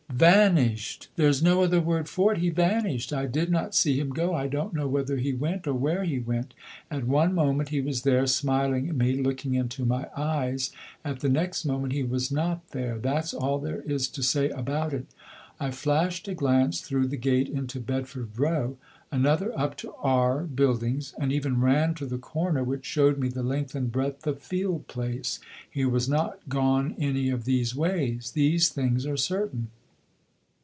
Vanished! There's no other word for it: he vanished; I did not see him go; I don't know whether he went or where he went. At one moment he was there, smiling at me, looking into my eyes; at the next moment he was not there. That's all there is to say about it. I flashed a glance through the gate into Bedford Row, another up to R Buildings, and even ran to the corner which showed me the length and breadth of Field Place. He was not gone any of these ways. These things are certain.